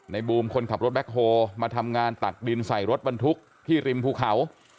บูมคนขับรถแบ็คโฮมาทำงานตักดินใส่รถบรรทุกที่ริมภูเขา